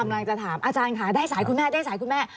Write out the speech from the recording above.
กำลังจะถามอาจารย์ค่ะได้สายคุณแม่ได้สายคุณแม่